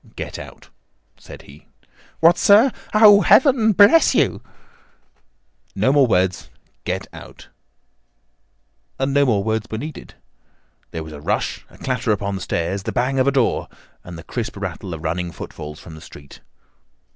"Get out!" said he. "What, sir! Oh, Heaven bless you!" "No more words. Get out!" And no more words were needed. There was a rush, a clatter upon the stairs, the bang of a door, and the crisp rattle of running footfalls from the street.